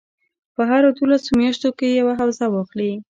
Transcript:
په هرو دولسو میاشتو کې یوه حوزه واخلي.